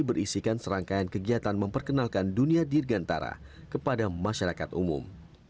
dan berisikan serangkaian kegiatan memperkenalkan dunia dirgantara kepada masyarakat umum